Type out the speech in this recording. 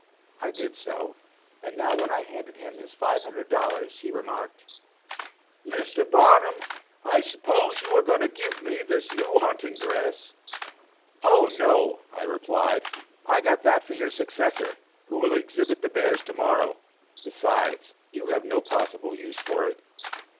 I did so, and now when I handed him his $500, he remarked: "Mr. Barnum, I suppose you are going to give me this new hunting dress?" "Oh, no," I replied, "I got that for your successor, who will exhibit the bears to morrow; besides, you have no possible use for it."